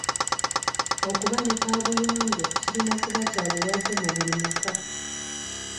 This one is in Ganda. Okuba ne kaabuyonjo kirina kuba kya buwaze mu buli maka.